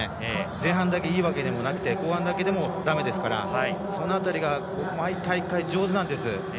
前半だけいいわけだけでもなく後半だけでもだめですからその辺りが毎回上手なんです。